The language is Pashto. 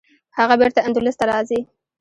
هغه بیرته اندلس ته راځي.